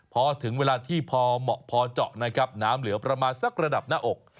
พอถึงเวลาที่พอเจาะน้ำเหลือประมาณสักระดับหน้าอก